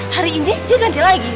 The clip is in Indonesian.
hari ini dia ganti lagi